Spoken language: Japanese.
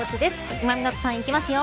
今湊さん、いきますよ。